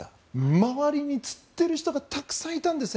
周りに、つってる人がたくさんいたんですね。